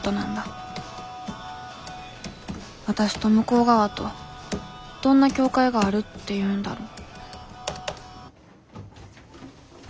わたしと向こう側とどんな境界があるっていうんだろう